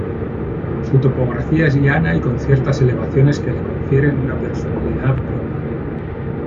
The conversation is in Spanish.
Su topografía es llana y con ciertas elevaciones que le confieren una personalidad propia.